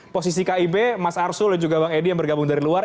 posisi kib mas arsul dan juga bang edi yang bergabung dari luar